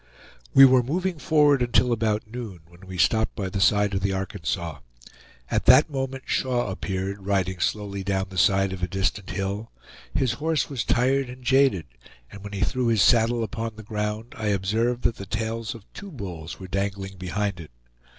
We were moving forward until about noon, when we stopped by the side of the Arkansas. At that moment Shaw appeared riding slowly down the side of a distant hill; his horse was tired and jaded, and when he threw his saddle upon the ground, I observed that the tails of two bulls were dangling behind it.